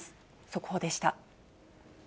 速報でした。